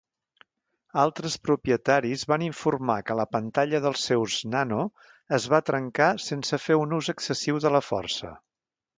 Altres propietaris van informar que la pantalla dels seus Nano es van trencar sense fer un ús excessiu de la força.